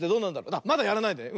あっまだやらないで！